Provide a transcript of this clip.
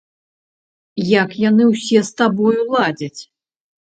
Як яны ўсе з табою ладзяць?